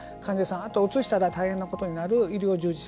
あとうつしたら大変なことになる医療従事者。